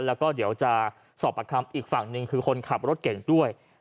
แล้วก็เดี๋ยวจะสอบประคำอีกฝั่งหนึ่งคือคนขับรถเก่งด้วย